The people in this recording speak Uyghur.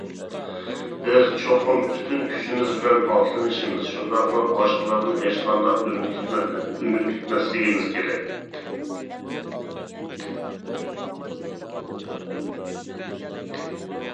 بىز چوقۇم پۈتۈن كۈچىمىز بىلەن ئاتلىنىشىمىز، شۇنداقلا باشقىلاردىن ھېچقانداق ئۈمىد كۈتمەسلىكىمىز كېرەك.